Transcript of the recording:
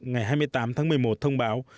ngày hai mươi tám tháng một mươi một thông báo